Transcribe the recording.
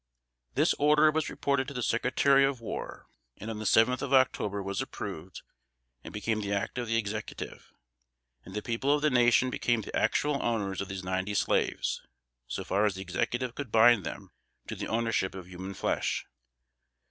This order was reported to the Secretary of War, and on the seventh of October was approved and became the act of the Executive; and the people of the nation became the actual owners of these ninety slaves, so far as the Executive could bind them to the ownership of human flesh.